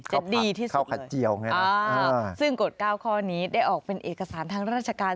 จะดีที่สุดเลยนะครับซึ่งกฎ๙คอนี้ได้ออกเป็นเอกสารทางราชการ